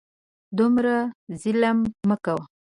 دومره ظلم مه کوه !